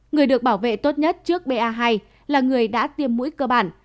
người được bảo vệ tốt nhất trước ba là người đã tiêm mũi cơ bản